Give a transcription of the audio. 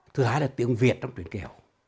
thứ hai là tiếng việt trong truyền kiều